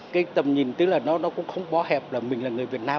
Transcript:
cái tầm nhìn tức là nó cũng không bó hẹp là mình là người việt nam